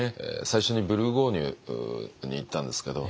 最初にブルゴーニュに行ったんですけど。